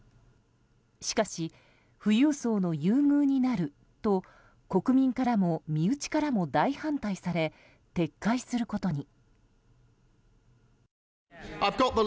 しかし、富裕層の優遇になると国民からも身内からも大反対され撤回することに。